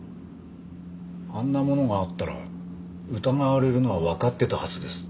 あんなものがあったら疑われるのはわかってたはずです。